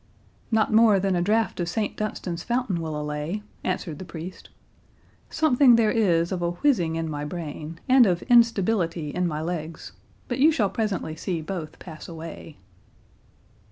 "Not more than a drought of St Dunstan's fountain will allay," answered the priest; "something there is of a whizzing in my brain, and of instability in my legs, but you shall presently see both pass away."